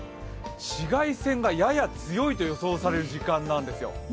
紫外線がやや強いと予想される時間なんですよ。